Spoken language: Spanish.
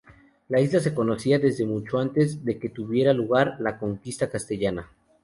La isla se conocía desde mucho antes de que tuviera lugar la conquista castellana.